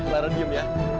lara diem ya